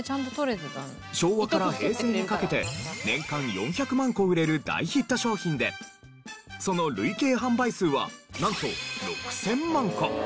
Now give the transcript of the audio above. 昭和から平成にかけて年間４００万個売れる大ヒット商品でその累計販売数はなんと６０００万個。